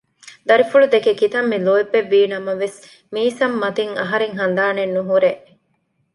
ދަރިފުޅު ދެކެ ކިތަންމެ ލޯތްބެއްވީ ނަމަވެސް މީސަމް މަތިން އަހަރެން ހަނދާނެއް ނުހުރޭ